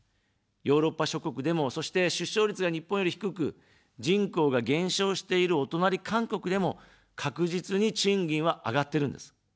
ヨーロッパ諸国でも、そして、出生率が日本より低く、人口が減少しているお隣、韓国でも、確実に賃金は上がってるんです。